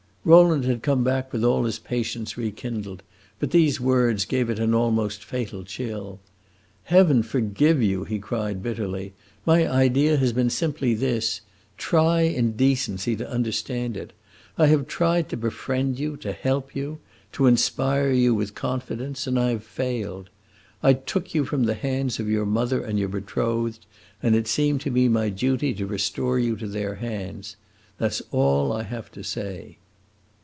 Rowland had come back with all his patience rekindled, but these words gave it an almost fatal chill. "Heaven forgive you!" he cried bitterly. "My idea has been simply this. Try, in decency, to understand it. I have tried to befriend you, to help you, to inspire you with confidence, and I have failed. I took you from the hands of your mother and your betrothed, and it seemed to me my duty to restore you to their hands. That 's all I have to say."